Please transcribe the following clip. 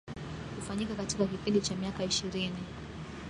kufanyika katika kipindi cha miaka ishirini